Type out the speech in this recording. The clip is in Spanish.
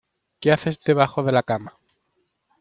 ¿ Qué haces debajo de la cama?